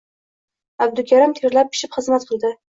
Abdukarim terlab-pishib xizmat qildi